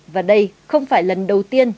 và đây không phải lần đầu tiên